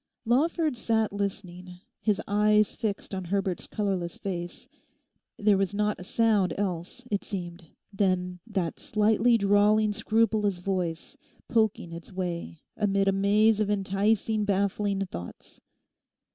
Lawford sat listening, his eyes fixed on Herbert's colourless face. There was not a sound else, it seemed, than that slightly drawling scrupulous voice poking its way amid a maze of enticing, baffling thoughts.